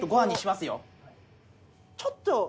ちょっと。